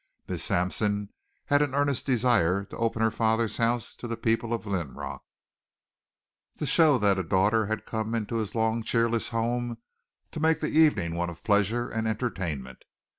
Miss Sampson had an earnest desire to open her father's house to the people of Linrock, to show that a daughter had come into his long cheerless home, to make the evening one of pleasure and entertainment.